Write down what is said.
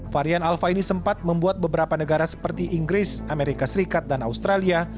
varian alpha ini sempat membuat beberapa negara seperti inggris amerika serikat dan australia